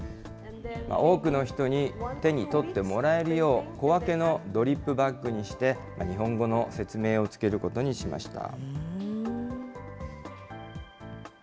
多くの人に手に取ってもらえるよう、小分けのドリップバッグにして、日本語の説明をつけることにしました。